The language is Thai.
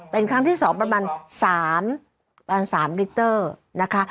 เป็นครั้งที่สองประมาณสามประมาณสามลิกเตอร์นะคะ